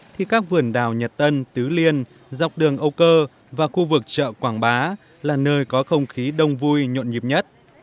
thì các vườn đào nhật tân tứ liên dọc đường âu cơ và khu vực chợ quảng bá là nơi có không khí đông vui nhộn nhịp nhất